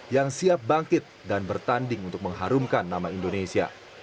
yang siap bangkit dan bertanding untuk mengharumkan nama indonesia